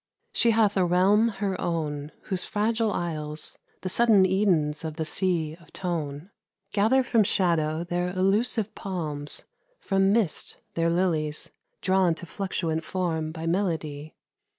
She hath a realm her own, whose fragile isles, The sudden Edens of the sea of tone, Gather from shadow their illusive palms, From mist their lilies, drawn to fluctuant form By melody.